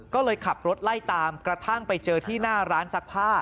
ก็เลยขับรถไล่ตามกระทั่งไปเจอที่หน้าร้านซักผ้า